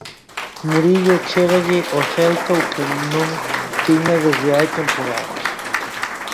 Murillo achégalle ao Celta o que non tiña desde hai temporadas.